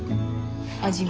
味見。